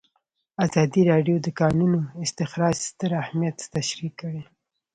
ازادي راډیو د د کانونو استخراج ستر اهميت تشریح کړی.